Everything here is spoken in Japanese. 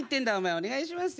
お願いしますよ。